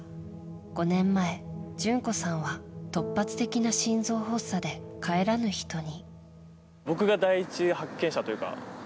５年前、淳子さんは突発的な心臓発作で帰らぬ人に。